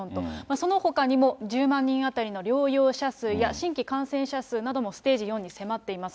そのほかにも１０万人当たりの療養者数や新規感染者数などもステージ４に迫っています。